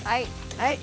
はい。